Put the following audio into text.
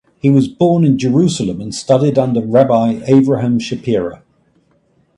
He was born in Jerusalem and studied under Rabbi Avraham Shapira.